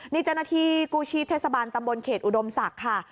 นี่เจ้าหน้าที่กู้ชีพเทศบาลตำบลเขตอุดมศักดิ์ค่ะ